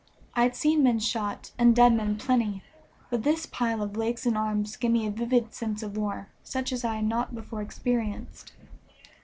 I had seen men shot and dead men plenty, but this pile of legs and arms gave me a vivid sense of war such as I had not before experienced.